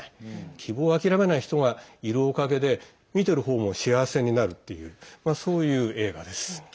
希望を諦めない人がいるおかげで見てる方も幸せになるっていうそういう映画です。